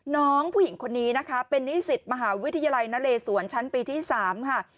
น้องผู้หญิงคนนี้นะคะเป็นนิสิตมหาวิทยาลัยนเลสวนชั้นปีที่๓ค่ะ